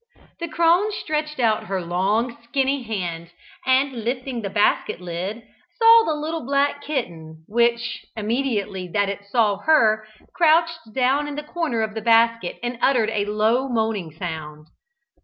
The crone stretched out her long, skinny hand, and lifting the basket lid, saw the little black kitten; which, immediately that it saw her, crouched down in the corner of the basket and uttered a low moaning sound.